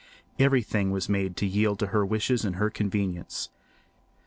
Everything was made to yield to her wishes and her convenience.